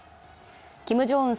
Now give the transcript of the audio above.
キム・ジョンウン